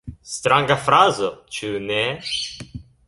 Stranga frazo, ĉu ne?